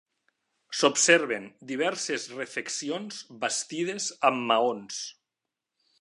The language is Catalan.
S'observen diverses refeccions bastides amb maons.